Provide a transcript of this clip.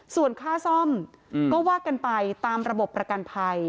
ส่วนค่าซ่อมก็ว่ากันไปตามระบบประกันภัย